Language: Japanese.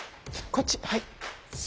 こっちはい。